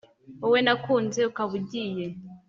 wowe nakunze ukaba ugiye,